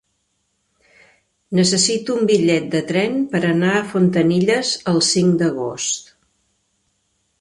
Necessito un bitllet de tren per anar a Fontanilles el cinc d'agost.